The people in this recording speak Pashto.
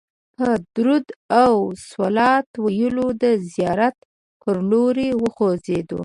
په درود او صلوات ویلو د زیارت پر لور وخوځېدو.